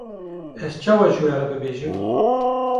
ez çawa ji we re bibêjim.